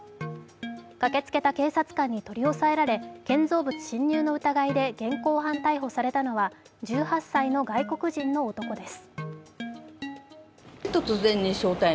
駆けつけた警察官に取り押さえられ、建造物侵入の疑いで現行犯逮捕されたのは１８歳の外国人の男です。